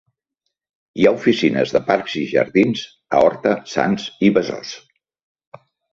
Hi ha oficines de Parcs i Jardins a Horta, Sants i Besòs.